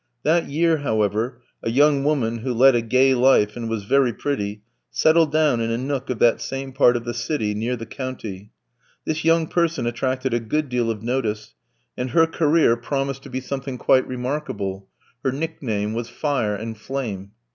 That year, however, a young woman who led a gay life and was very pretty, settled down in a nook of that same part of the city, near the county. This young person attracted a good deal of notice, and her career promised to be something quite remarkable; her nickname was "Fire and Flame."